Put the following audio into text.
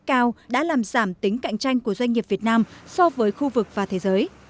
cao đã làm giảm tính cạnh tranh của doanh nghiệp việt nam so với khu vực và thế giới